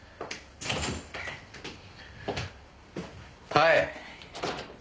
はい。